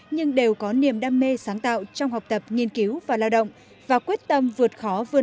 nhưng đều có niềm đam mê sáng tạo trong học tập nghiên cứu và lao động và quyết tâm vượt khó vươn